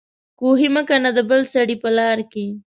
کوهي مه کنه د بل سړي په لار کې